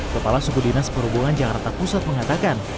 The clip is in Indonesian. kepala suku dinas perhubungan jakarta pusat mengatakan